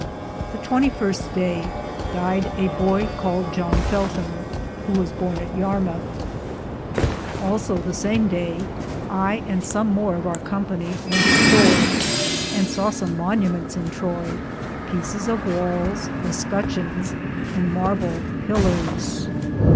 The 21 Day, Died a boye Caled John Felton, who was borne at Yarmouthe. Also, the same day, I and som more of our company wente a shore, and sawe som monimentes in Troy, peecis of wales, sutchins,^ and marble pillares.